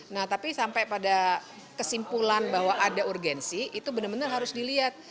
nah tapi sampai pada kesimpulan bahwa ada urgensi itu benar benar harus dilihat